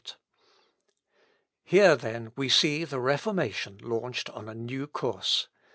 Act. Here, then, we see the Reformation launched on a new course.